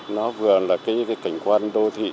nó vừa là cái cảnh quan đô thị